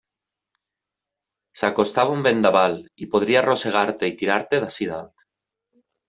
S'acostava un vendaval i podria arrossegar-te i tirar-te d'ací dalt.